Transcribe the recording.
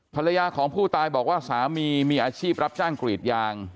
ภรรยาของผู้ตายบอกว่าสามีมีอาชีพรับจ้างกรีดยาง